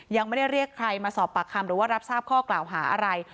ยังไม่ได้เรียกใครมาสอบปากคำหรือว่ารับทราบข้อกล่าวหาอะไร